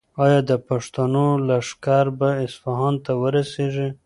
ایا د پښتنو لښکر به اصفهان ته ورسیږي؟